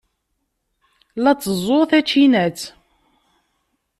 La tteẓẓuɣ tacinat.